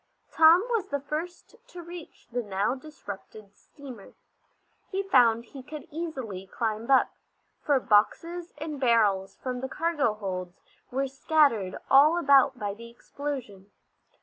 Tom was the first to reach the now disrupted steamer. He found he could easily climb up, for boxes and barrels from the cargo holds were scattered all about by the explosion.